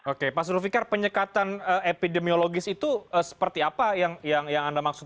oke pak sulfikar penyekatan epidemiologis itu seperti apa yang anda maksud